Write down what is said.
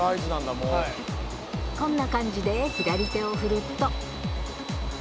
こんな感じで左手を振ると。